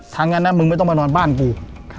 ทั้งงานนั้นมึงไม่ต้องมานอนบ้านกู